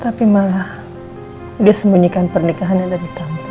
tapi malah dia sembunyikan pernikahannya dari kampung